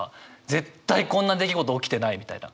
絶対こんな出来事起きてないみたいな。